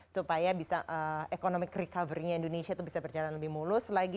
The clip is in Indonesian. supaya bisa ekonomi recovery nya indonesia itu bisa berjalan lebih mulus lagi